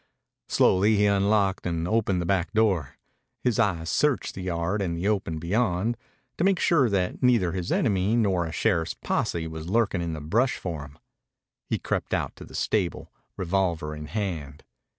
Slowly he unlocked and opened the back door. His eyes searched the yard and the open beyond to make sure that neither his enemy nor a sheriff's posse was lurking in the brush for him. He crept out to the stable, revolver in hand.